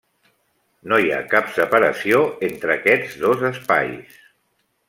No hi ha cap separació entre aquests dos espais.